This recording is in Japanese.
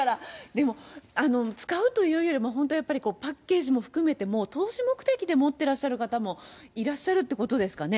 でも、使うというよりも、本当やっぱり、パッケージも含めてもう投資目的で持ってらっしゃる方もいらっしゃるということですかね。